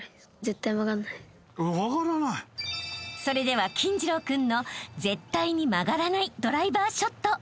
［それでは金次郎君の絶対に曲がらないドライバーショット］